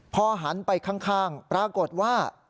พอหันไปข้างปรากฏว่า